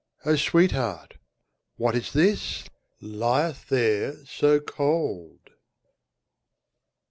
O sweetheart! what is this Lieth there so cold?